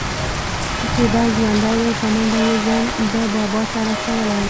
چې دى ژوندى دى په منډه يې ځان ده بابا ته رسولى و.